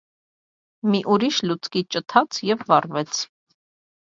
Մի ուրիշ լուցկի ճթաց և վառվեց: